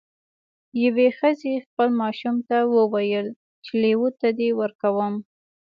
یوې ښځې خپل ماشوم ته وویل چې لیوه ته دې ورکوم.